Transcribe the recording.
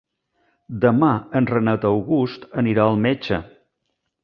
Demà en Renat August anirà al metge.